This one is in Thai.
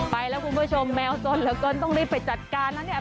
ไปแล้วคุณผู้ชมแมวสนเหลือเกินต้องรีบไปจัดการแล้วเนี่ย